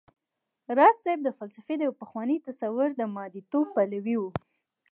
راز صيب د فلسفې د يو پخواني تصور د مادې ژونديتوب پلوی و